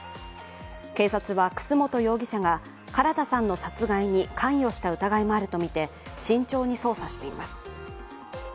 警察は、楠本容疑者が、唐田さんの殺害に関与した疑いもあるとみて、慎重に捜査しています。